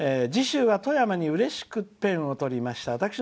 「次週は富山うれしくペンをとりました。